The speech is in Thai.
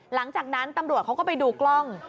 หลังจากนั้นตำรวจเขาก็ไปดูกล้อง